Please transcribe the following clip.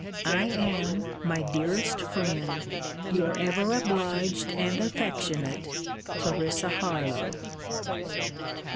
I am, my dearest friend, Your ever obliged and affectionate, CL. HARLOWE.